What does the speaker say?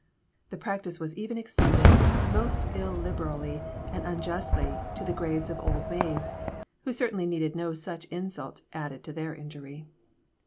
The practice was even extended, most illiberally and unjustly, to the graves of old maids, who certainly needed no such insult added to their injury.